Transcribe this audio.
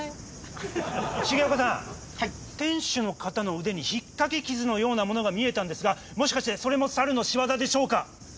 店主の方の腕にひっかき傷のようなものが見えたんですがもしかしてそれもサルの仕業でしょうか？